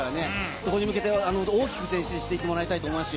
そこに向けて大きく前進していってもらいたいと思います。